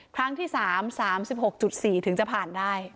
ครั้งที่๓๓๖๔ถึงจะผ่านได้